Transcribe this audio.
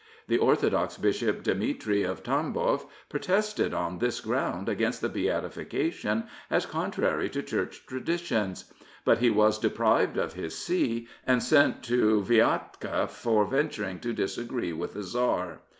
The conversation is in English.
The Ortho dox Bishop Dmitry of Tamboff protested on this ground against the beatification as contrary to Church traditions; but he was deprived of his see and sent to Vyatka for venturing to disagree with the Tsar.